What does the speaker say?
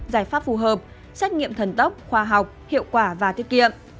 giải pháp phù hợp xét nghiệm thần tốc khoa học hiệu quả và tiết kiệm